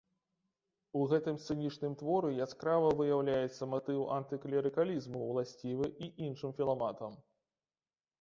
У гэтым сцэнічным творы яскрава выяўляецца матыў антыклерыкалізму, уласцівы і іншым філаматам.